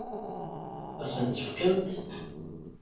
Ad sen-tt-fkent?